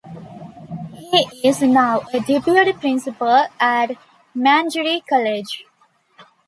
He is now a Deputy Principal at Mangere College.